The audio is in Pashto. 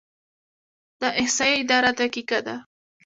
د احصایې اداره دقیقه ده؟